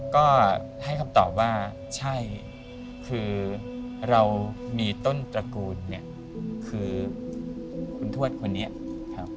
ก็ให้คำตอบว่าใช่คือเรามีต้นตระกูลเนี่ยคือคุณทวดคนนี้ครับ